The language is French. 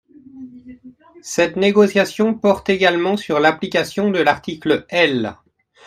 Cette négociation porte également sur l’application de l’article L